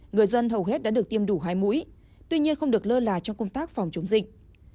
người dân hầu hết đã được tiêm đủ hai mũi tuy nhiên không được lơ là trong công tác phòng chống dịch